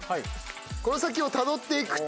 この先をたどっていくと。